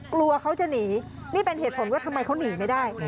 กลัวเขาจะหนีนี่เป็นเหตุผลว่าทำไมเขาหนีไม่ได้